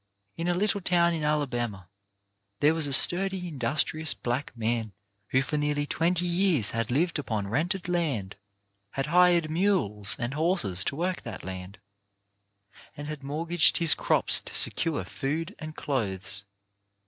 In a little town in Alabama there was a sturdy, industrious black man who for nearly twenty years had lived upon rented land, had hired mules and horses to work that land, and had mortgaged his crops to secure food and clothes.